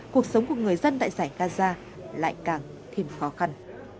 cuộc sống của người dân tại giải gaza lại càng thêm khó khăn